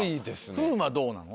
風磨はどうなの？